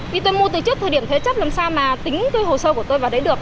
vì tôi mua từ trước thời điểm thế chấp làm sao mà tính cái hồ sơ của tôi vào đấy được